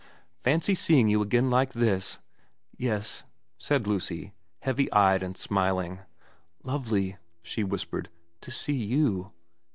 * Fancy seeing you again like this !' 4 Yes,' said Lucy, heavy eyed and smiling. 4 Lovely/ she whispered, * to see you.